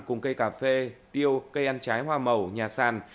cùng cây cà phê tiêu cây ăn trái hoa màu nhà sàn